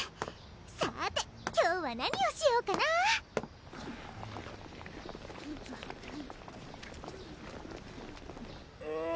さて今日は何をしようかなあぁ